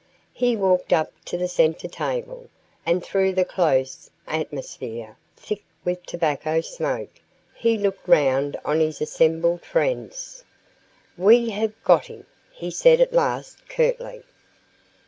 He walked up to the centre table, and through the close atmosphere, thick with tobacco smoke, he looked round on his assembled friends. "We have got him," he said at last curtly.